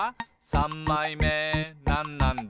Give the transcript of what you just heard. さんまいめなんなんだ？」